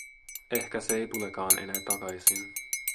Ehkä se ei tulekaan enää takaisin.